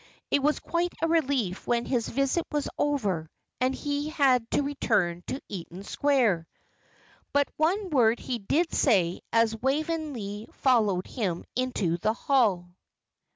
It was quite a relief when his visit was over, and he had to return to Eaton Square. But one word he did say as Waveney followed him into the hall.